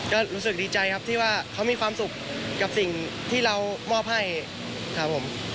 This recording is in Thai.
ก็รู้สึกดีใจครับที่ว่าเขามีความสุขกับสิ่งที่เรามอบให้ครับผม